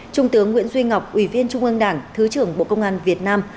trung tướng nguyễn duy ngọc ủy viên trung ương đảng thứ trưởng bộ công an việt nam